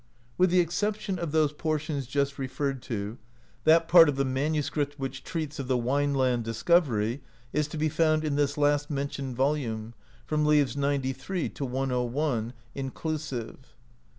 With the exception of those portions just referred to, that part of the manuscript which treats of the Wineland discovery is to be found in this last mentioned volume, from leaves 93 to 101 [back] inclusive.